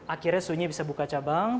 akhirnya sunyi bisa buka cabang